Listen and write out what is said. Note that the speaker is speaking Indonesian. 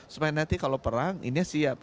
supaya nanti kalau perang ini siap